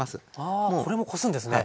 あこれもこすんですね。